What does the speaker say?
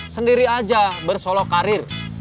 sendiri aja bersolo karir